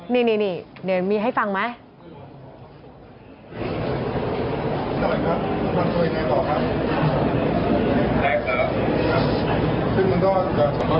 นี่มีให้ฟังไหม